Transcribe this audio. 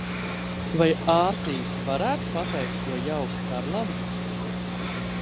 Vai Ārtijs varētu pateikt ko jauku Karlam?